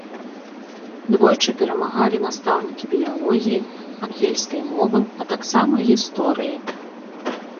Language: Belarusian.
Двойчы перамагалі настаўнікі біялогіі, ангельскай мовы, а таксама гісторыі.